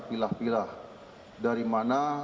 pilih pilih dari mana